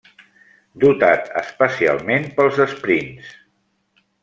Dotat especialment pels esprints.